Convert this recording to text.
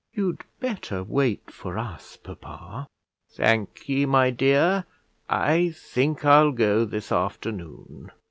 "You'd better wait for us, papa." "Thank ye, my dear! I think I'll go this afternoon."